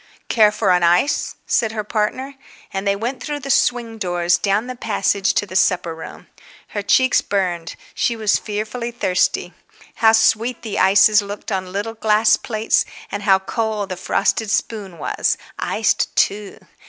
"Care for an ice?" said her partner. And they went through the swing doors, down the passage, to the supper room. Her cheeks burned, she was fearfully thirsty. How sweet the ices looked on little glass plates and how cold the frosted spoon was, iced too!